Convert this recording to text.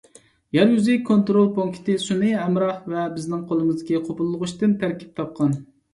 يەر يۈزى كونترول پونكىتى، سۈنئىي ھەمراھ ۋە بىزنىڭ قولىمىزدىكى قوبۇللىغۇچتىن تەركىب تاپقان.